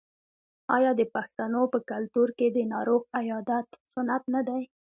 آیا د پښتنو په کلتور کې د ناروغ عیادت سنت نه دی؟